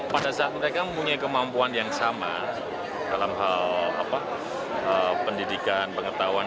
pada saat mereka mempunyai kemampuan yang sama dalam hal pendidikan pengetahuan